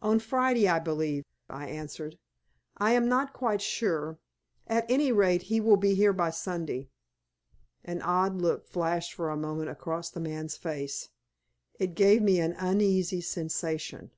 "On Friday, I believe," I answered. "I am not quite sure. At any rate, he will be here by Sunday." An odd look flashed for a moment across the man's face. It gave me an uneasy sensation.